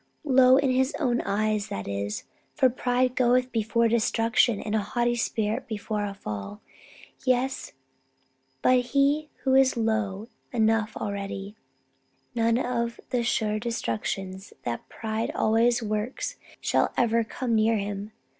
Low in his own eyes, that is. For pride goeth before destruction, and a haughty spirit before a fall. Yes; but he who is low enough already none of the sure destructions that pride always works shall ever come near to him.